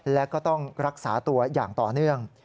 และก็ต้องรักษาตัวอย่างต่อเนื่อง